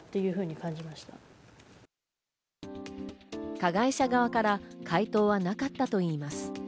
加害者側から回答はなかったといいます。